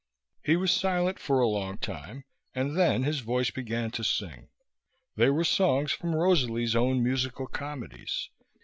He was silent for a long time, and then his voice began to sing. They were songs from Rosalie's own musical comedies.